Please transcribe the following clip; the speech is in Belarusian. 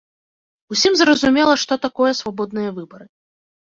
Усім зразумела, што такое свабодныя выбары.